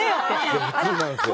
いや普通なんすよ。